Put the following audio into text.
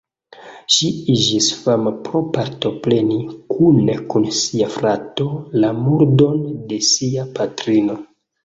Ŝi iĝis fama pro partopreni, kune kun sia frato, la murdon de sia patrino.